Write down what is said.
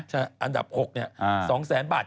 ใช่อันดับ๖เนี่ย๒๐๐๐๐๐บาท